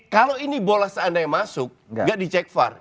kalau ini bola seandainya masuk nggak dicek var